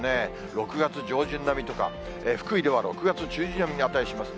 ６月上旬並みとか、福井では６月中旬に値します。